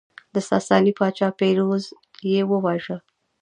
د ساساني پاچا پیروز یې وواژه